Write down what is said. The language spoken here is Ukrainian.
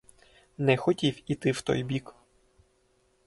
Не хотів іти в той бік.